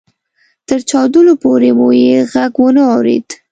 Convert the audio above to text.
تر چاودلو پورې مو يې ږغ وانه اورېد.